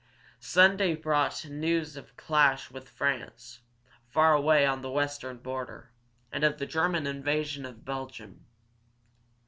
Sunday brought news of a clash with France, far away on the western border, and of the German invasion of Belgium.